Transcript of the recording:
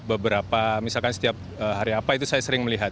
beberapa misalkan setiap hari apa itu saya sering melihat